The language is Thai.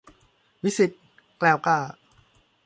วิศิษฎ์ แกล้วกล้า